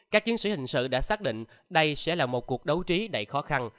các chiến sĩ hình sự đã xác định đây sẽ là một cuộc đấu trí đầy khó khăn